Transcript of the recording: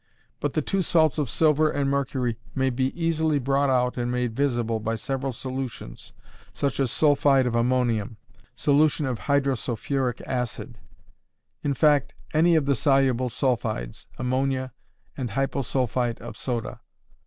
But the two salts of silver and mercury may be easily brought out and made visible by several solutions, such as sulphide of ammonium, solution of hydrosulphuric acid; in fact, any of the soluble sulphides, ammonia and hyposulphite of soda.